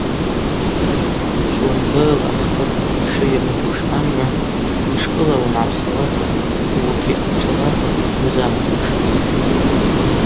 Чвыуандырла хпа-пщба мшы йамудуш амгӏва мшкӏыла уымгӏапсауата, угвгьи амшӏауата йузамдуштӏ.